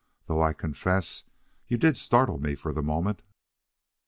"Though I confess you did startle me for the moment."